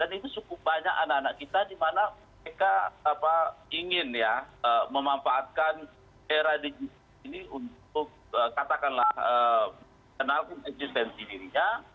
dan itu cukup banyak anak anak kita dimana mereka ingin ya memanfaatkan era di jepang ini untuk katakanlah kenalkan existensi dirinya